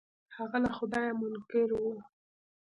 هغه له خدايه منکر و.